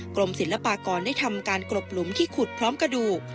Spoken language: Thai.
กรมศิลปากรได้ทำการกรบหลุมที่ขุดพร้อมกระดูก